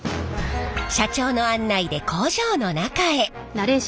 社長の案内で工場の中へ。